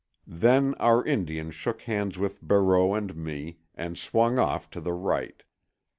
Then our Indian shook hands with Barreau and me, and swung off to the right.